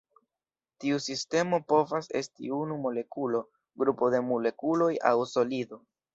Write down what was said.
Tiu sistemo povas esti unu molekulo, grupo de molekuloj aŭ solido.